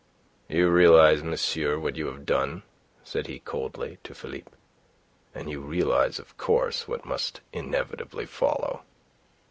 "You realize, monsieur, what you have done," said he, coldly, to Philippe. "And you realize, of course, what must inevitably follow."